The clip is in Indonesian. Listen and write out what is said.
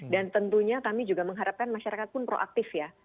dan tentunya kami juga mengharapkan masyarakat pun proaktif ya